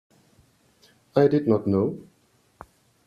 I did not know.